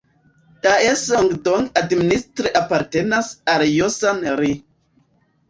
Daeseong-dong administre apartenas al Josan-ri.